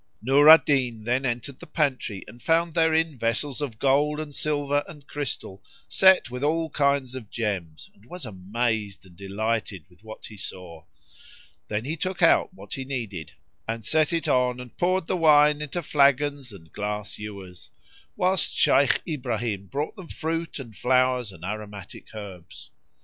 Nur al Din then entered the pantry and found therein vessels of gold and silver and crystal set with all kinds of gems, and was amazed and delighted with what he saw. Then he took out what he needed and set it on and poured the wine into flagons and glass ewers, whilst Shaykh Ibrahim brought them fruit and flowers and aromatic herbs.